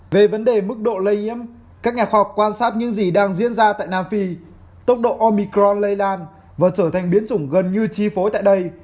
về vấn đề mức độ lây nhiễm các nhà khoa học quan sát những gì đang diễn ra tại nam phi tốc độ omicro lây lan và trở thành biến chủng gần như chi phối tại đây